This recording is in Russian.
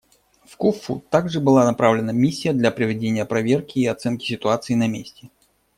В Куффу также была направлена миссия для проведения проверки и оценки ситуации на месте.